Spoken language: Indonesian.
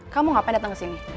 kamu ngapain dateng kesini